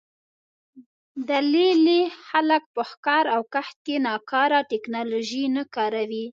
د لې لې خلک په ښکار او کښت کې ناکاره ټکنالوژي نه کاروي